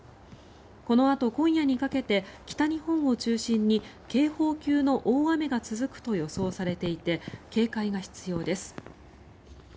このあと今夜にかけて北日本を中心に警報級の大雨が続くと予想されていて警戒が必要です。